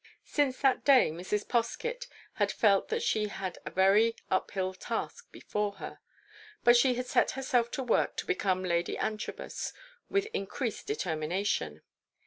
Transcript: Since that day Mrs. Poskett had felt that she had a very uphill task before her; but she had set herself to work to become Lady Antrobus with increased determination.